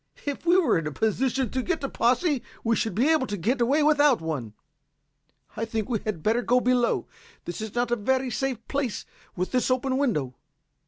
"If we were in a position to get a posse we should be able to get away without one. I think we had better go below. This is not a very safe place with this open window."